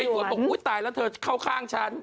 ยายหยวนบอกตายแล้วเธอเข้าข้างฉัน